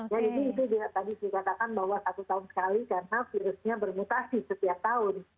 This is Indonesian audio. ya ini itu tadi dikatakan bahwa satu tahun sekali karena virusnya bermutasi setiap tahun